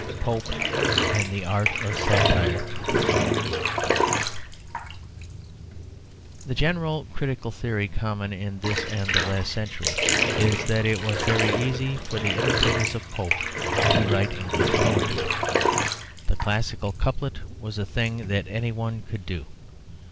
POPE AND THE ART OF SATIRE The general critical theory common in this and the last century is that it was very easy for the imitators of Pope to write English poetry. The classical couplet was a thing that anyone could do.